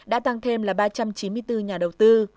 đã tăng thêm là ba trăm chín mươi bốn nhà đầu tư